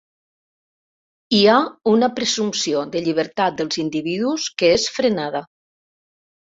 Hi ha una presumpció de llibertat dels individus que és frenada.